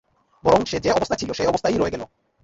বরং সে যে অবস্থায় ছিল সে অবস্থায়ই রয়ে গেল।